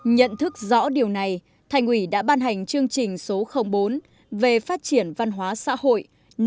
nhận thức rõ điều này thành ủy đã ban hành chương trình số bốn về phát triển văn hóa xã hội